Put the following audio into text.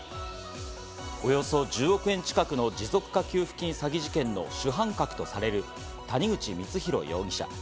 およそ１０億円近くの持続化給付金詐欺事件の主犯格とされる谷口光弘容疑者。